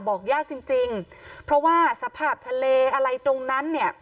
บอกยากจริงจริงเพราะว่าสภาพทะเลอะไรตรงนั้นเนี่ย